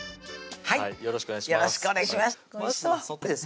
よろしくお願いします